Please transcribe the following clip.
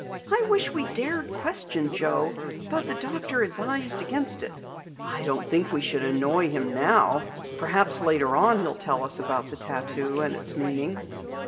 "I wish we dared question Joe, but the doctor advised against it." "I don't think we should annoy him now. Perhaps later on he'll tell us about the tattoo and its meaning."